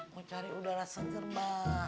mau cari udara seger mbak